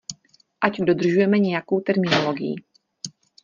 Ať dodržujeme nějakou terminologii.